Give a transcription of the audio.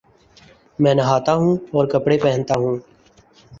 میں نہاتاہوں اور کپڑے پہنتا ہوں